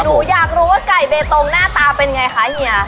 หนูอยากรู้ว่าไก่เบตงหน้าตาเป็นไงคะเฮีย